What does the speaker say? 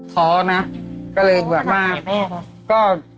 ท้อนะก็เลยเดินมาก